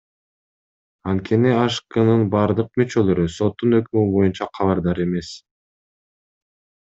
Анткени АШКнын бардык мүчөлөрү соттун өкүмү боюнча кабардар эмес.